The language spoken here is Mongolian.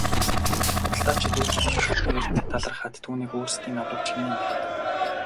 Худалдаачид үл таних эрд талархаад түүнийг өөрсдийн аврагч хэмээн нэрийдэв.